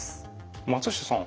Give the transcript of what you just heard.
松下さん